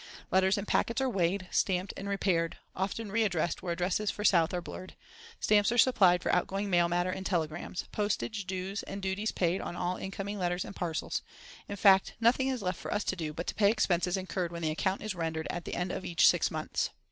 Letters and packets are weighed, stamped, and repaired—often readdressed where addresses for South are blurred; stamps are supplied for outgoing mail matter and telegrams; postage dues and duties paid on all incoming letters and parcels—in fact, nothing is left for us to do but to pay expenses incurred when the account is rendered at the end of each six months.